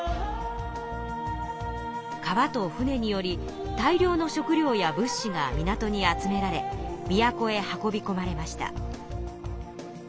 川と船により大量の食料や物資が港に集められ都へ運びこまれました。